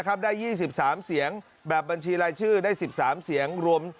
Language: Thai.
ไม่อาจ้อยซึ่ง